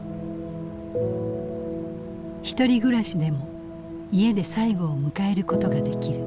ひとり暮らしでも家で最期を迎えることができる。